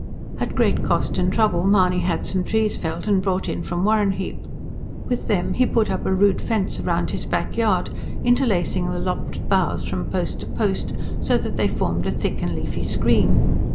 At great cost and trouble, Mahony had some trees felled and brought in from Warrenheip. With them he put up a rude fence round his backyard, interlacing the lopped boughs from post to post, so that they formed a thick and leafy screen.